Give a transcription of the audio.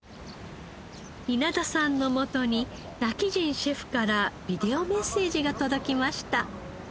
稲田さんのもとに今帰仁シェフからビデオメッセージが届きました。